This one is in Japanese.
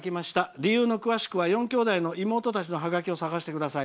理由の詳しくは４きょうだいの妹たちのはがきを探してください」。